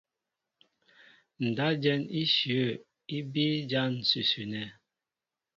Ndáp jɛ̌n íshyə̂ í bíí ján ǹsʉsʉ nɛ́.